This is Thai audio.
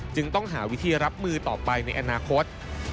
จึงต้องหาวิธีรับมือต่อไปในอนาคต